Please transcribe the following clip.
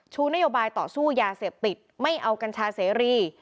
นโยบายต่อสู้ยาเสพติดไม่เอากัญชาเสรี